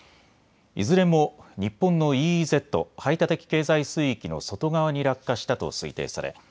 いずれも日本のＥＥＺ・排他的経済水域の外側に落下したと推定され